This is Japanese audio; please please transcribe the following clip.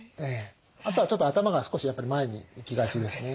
あとはちょっと頭が少しやっぱり前にいきがちですね。